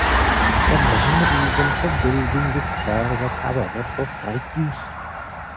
The main reason for building this spur was however for freight use.